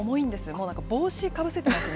もうなんか、帽子かぶせてますね。